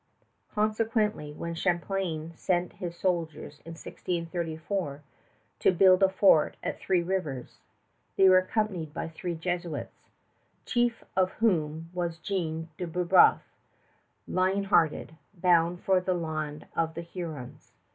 Consequently, when Champlain sent his soldiers in 1634 to build a fort at Three Rivers, they were accompanied by three Jesuits, chief of whom was Jean de Brébeuf, lion hearted, bound for the land of the Hurons.